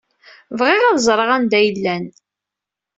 Bɣiɣ ad ẓreɣ anda ay llan.